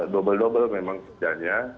dobel dobel memang kerjanya